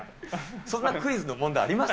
そんなクイズあります？